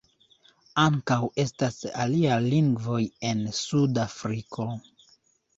Ankaŭ estas aliaj lingvoj en Sud-Afriko.